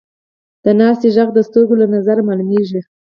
د ناستې ږغ د سترګو له نظره معلومېږي.